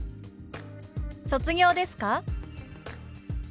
「卒業ですか？」。